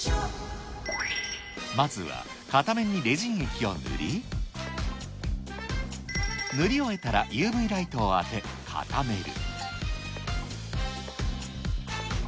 まずは片面にレジン液を塗り、塗り終えたら、ＵＶライトを当て、固める。